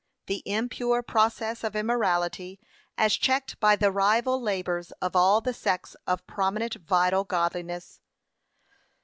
The impure process of immorality as checked by the rival labours of all the sects to promote vital godliness.